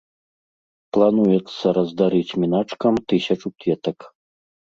Плануецца раздарыць міначкам тысячу кветак.